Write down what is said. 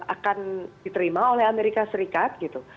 akan diterima oleh amerika serikat gitu